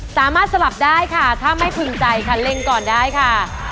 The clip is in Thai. สลับได้ค่ะถ้าไม่พึงใจค่ะเล็งก่อนได้ค่ะ